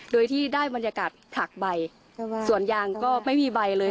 โดยที่ได้บรรยากาศผลักใบส่วนยางก็ไม่มีใบเลย